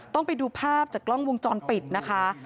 ต้องไปดูภาพจากกล้องวงจรปิดนะคะ